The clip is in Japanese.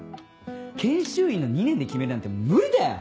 研修医の２年で決めるなんて無理だよ。